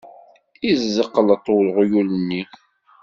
Yezzeqleṭ uɣyul-nni.